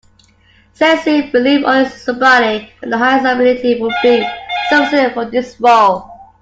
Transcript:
Cecil believed only somebody of the highest ability would be sufficient for this role.